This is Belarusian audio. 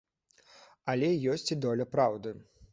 Але ёсць і доля праўды.